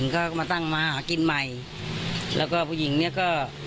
ก็มาดึงเมียกลับอะไรอย่างงี้ไง